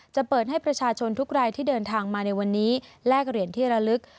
จะเปิดให้ประชาชนทุกรายที่เดินทางมาในวันนี้แลกเหรียญที่ระลึก